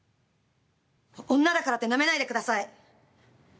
女だからってなめないでください。